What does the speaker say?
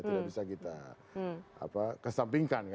tidak bisa kita kesampingkan kan itu